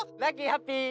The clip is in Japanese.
ハッピー！